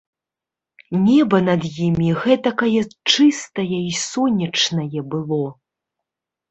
Неба над імі гэтакае чыстае і сонечнае было!